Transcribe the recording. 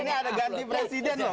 ini ada ganti presiden loh